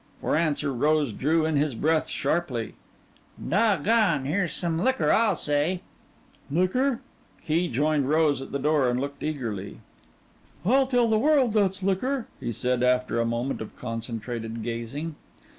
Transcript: For answer Rose drew in his breath sharply. "Doggone! Here's some liquor I'll say!" "Liquor?" Key joined Rose at the door, and looked eagerly. "I'll tell the world that's liquor," he said, after a moment of concentrated gazing.